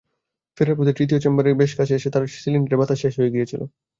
ফেরার পথে তৃতীয় চেম্বারের বেশ কাছে এসে তার সিলিন্ডারের বাতাস শেষ হয়ে গিয়েছিল।